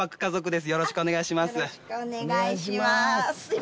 よろしくお願いします。